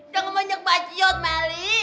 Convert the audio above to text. jangan banyak bajut meli